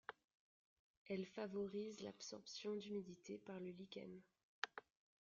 Elles favorisent l'absorption d'humidité par le lichen.